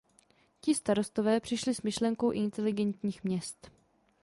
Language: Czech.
Ti starostové přišli s myšlenkou inteligentních měst.